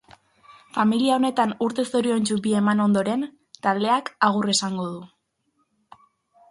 Familia honetan urte zoriontsu bi eman ondoren, taldeak taldeak agur esango du.